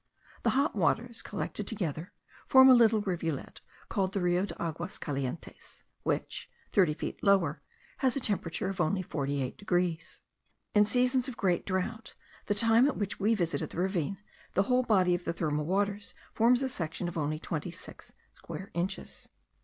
The hot waters, collected together, form a little rivulet, called the Rio de Aguas Calientes, which, thirty feet lower, has a temperature of only 48 degrees. In seasons of great drought, the time at which we visited the ravine, the whole body of the thermal waters forms a section of only twenty six square inches.